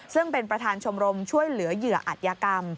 ซึ่งเป็นประธานชมรมช่วยเหลือเหยื่ออัตยกรรม